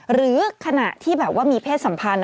หรือขณะที่แบบว่ามีเพศสัมพันธ์